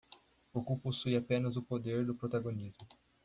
Goku possui apenas o poder do protagonismo.